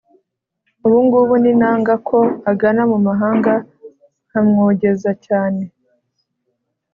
Ubu ngubu ninangaKo agana mu mahangaNkamwogeza cyane